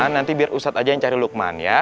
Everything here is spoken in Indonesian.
nanti biar ustadz aja yang cari lukman ya